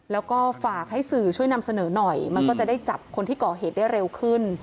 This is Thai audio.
แล้วก็ฝากให้สื่อช่วยนำเสนอหน่อยมันก็จะได้จับคนที่ก่อเหตุได้เร็วขึ้น